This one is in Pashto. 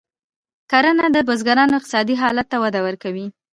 کرنه د بزګرانو اقتصادي حالت ته وده ورکوي.